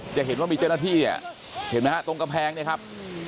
จะเห็นว่ามีเจ้าหน้าที่เนี่ยเห็นไหมฮะตรงกำแพงเนี่ยครับ